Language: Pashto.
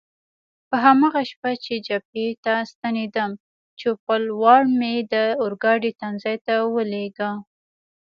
په هماغه شپه چې جبهې ته ستنېدم، چوپړوال مې د اورګاډي تمځای ته ولېږه.